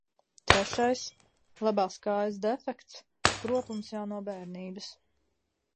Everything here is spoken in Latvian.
Trešais – labās kājas defekts, kroplums jau no bērnības.